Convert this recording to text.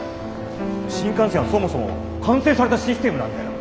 新幹線はそもそも完成されたシステムなんだよ。